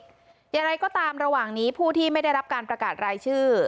อย่างไรก็ตามระหว่างนี้ผู้ที่ไม่ได้รับการประกาศรายชื่อ